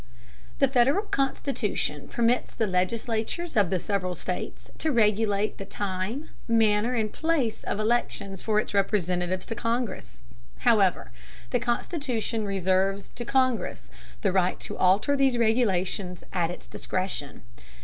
The Federal Constitution permits the legislatures of the several states to regulate the time, manner and place of elections for its Representatives to Congress. However, the Constitution reserves to Congress the right to alter these regulations at its discretion.